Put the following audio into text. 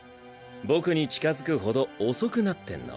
僕に近づくほど遅くなってんの。